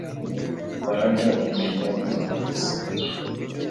Mbaraga yemeye ko yakoze amakosa